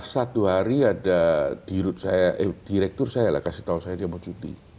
satu hari ada dihidup saya eh direktur saya lah kasih tau saya dia mau cuti